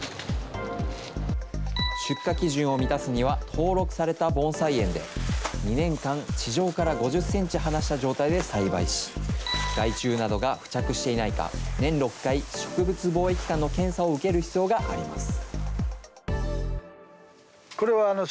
出荷基準を満たすには登録された盆栽園で２年間、地上から５０センチ離した状態で栽培し、害虫などが付着していないか、年６回、植物防疫官の検査を受ける必要があります。